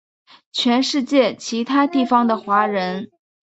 全世界其他地方的华人